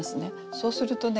そうするとね